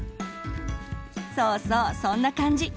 そうそうそんな感じ。